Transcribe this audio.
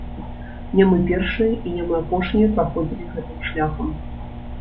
Не мы першыя і не мы апошнія праходзілі гэтым шляхам.